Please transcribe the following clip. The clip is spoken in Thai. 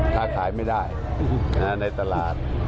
ถ้าขายไม่ได้ในตลาด